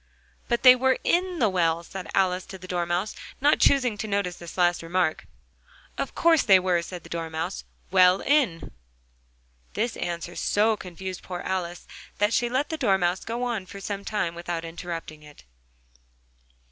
"But they were in the well," Alice said to the Dormouse, not choosing to notice this last remark. "Of course they were," said the Dormouse, "well in." This answer so confused poor Alice, that she let the Dormouse go on for some time without interrupting it.